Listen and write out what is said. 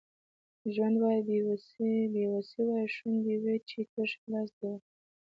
ژوند وای بې وسي وای شونډې وچې تش ګیلاس دي وای